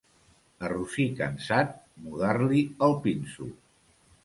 A rossí cansat, mudar-li el pinso.